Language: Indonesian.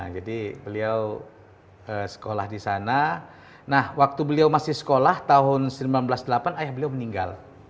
jadi beliau sekolah di sana nah waktu beliau masih sekolah tahun seribu sembilan ratus delapan ayah beliau meninggal